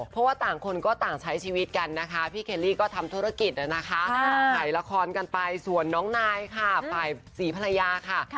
เพราะว่าต่างคนก็ต่างใช้ชีวิตกันนะคะพี่เคลลี่ก็ทำธุรกิจนะคะถ่ายละครกันไปส่วนน้องนายค่ะฝ่ายศรีภรรยาค่ะ